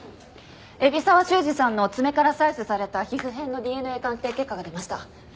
海老沢修二さんの爪から採取された皮膚片のＤＮＡ鑑定結果が出ました。